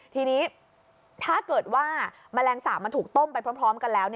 ทีนี้ถ้าเกิดว่าแมลงสาปมันถูกต้มไปพร้อมกันแล้ว